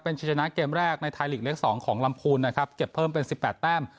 ชนะเกมแรกในไทยลีกเล็ก๒ของลำพูนนะครับเก็บเพิ่มเป็นสิบแปดแต้ม